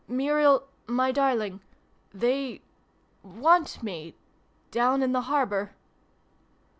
" Muriel my darling they want me down in the harbour."